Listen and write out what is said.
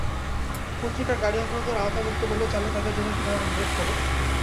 পত্রিকার গাড়ি অবরোধের আওতামুক্ত বলে চালক তাঁদের যেতে দেওয়ার অনুরোধ করেন।